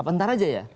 entar aja ya